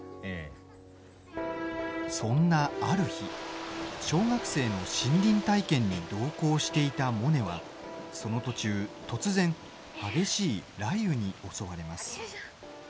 そんなある日、小学生の森林体験に同行していたモネはその途中突然激しい雷雨に襲われます。